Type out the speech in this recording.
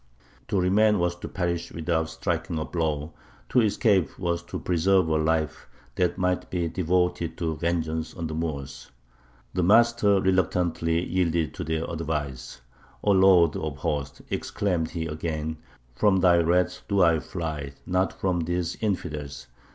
To remain was to perish without striking a blow; to escape was to preserve a life that might be devoted to vengeance on the Moors. The Master reluctantly yielded to their advice. 'O Lord of Hosts,' exclaimed he again, 'from Thy wrath do I fly, not from these infidels.